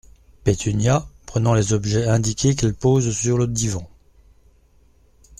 Pétunia , prenant les objets indiqués qu’elle pose sur le divan.